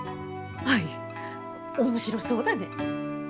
アイ面白そうだね。